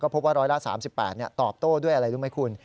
พบว่าร้อยละ๓๘ตอบโต้ด้วยอะไรรู้ไหมคุณ